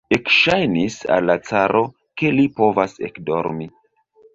Ekŝajnis al la caro, ke li povas ekdormi.